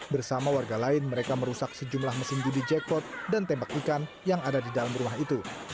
bersama warga lain mereka merusak sejumlah mesin judi jackpot dan tembak ikan yang ada di dalam rumah itu